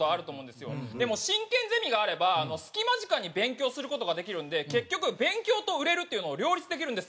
でも進研ゼミがあれば隙間時間に勉強する事ができるんで結局勉強と売れるっていうのを両立できるんですよ。